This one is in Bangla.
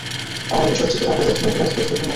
আমার উপার্জিত টাকা দেখে অপরাধবোধ হতো না।